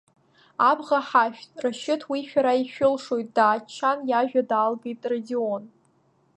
Абӷа ҳашәҭ, Рашьыҭ, уи шәара ишәылшоит, дааччан, иажәа даалгеит Радион.